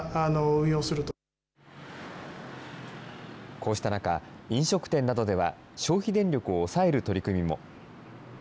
こうした中、飲食店などでは、消費電力を抑える取り組みも。